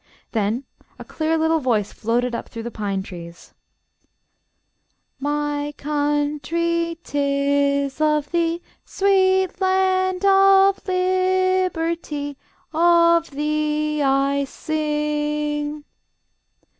Then a clear little voice floated up through the pine trees: "My country, 'tis of thee, Sweet land of liberty, Of thee I sing!"